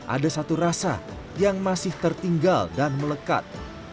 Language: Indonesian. ada satu rasa yang masih tertinggal dan melekat